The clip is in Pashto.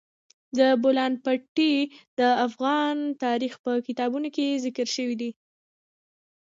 د بولان پټي د افغان تاریخ په کتابونو کې ذکر شوی دي.